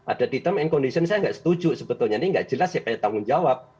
ada terms and conditions saya tidak setuju sebetulnya ini tidak jelas siapa yang tanggung jawab